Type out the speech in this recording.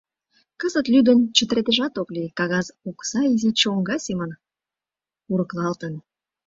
Кызыт лӱдын чытырыдежат ок лий: кагаз окса изи чоҥга семын курыклалтын.